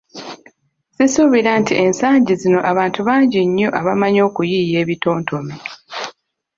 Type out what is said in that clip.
Sisuubira nti ensangi zino abantu bangi nnyo abamanyi okuyiiya ebitontome.